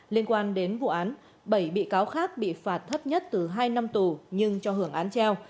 liên quan đến vụ án bảy bị cáo khác bị phạt thấp nhất từ hai năm tù nhưng cho hưởng án treo